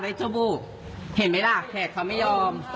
เห็นไหมล่ะผู้หญิงเขาไม่ยอม